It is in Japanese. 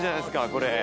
これ。